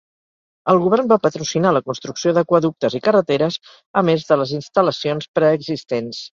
El govern va patrocinar la construcció d'aqüeductes i carreteres, a més de les instal·lacions preexistents.